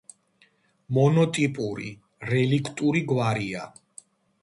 მონოტიპური, რელიქტური გვარია.